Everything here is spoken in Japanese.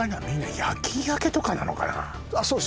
みんな夜勤明けとかなのかな